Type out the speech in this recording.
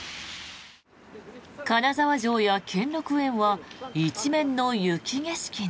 金沢城や兼六園は一面の雪景色に。